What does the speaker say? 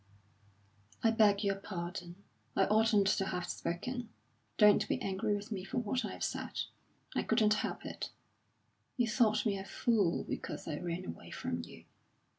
"I beg your pardon! I oughtn't to have spoken. Don't be angry with me for what I've said. I couldn't help it. You thought me a fool because I ran away from you.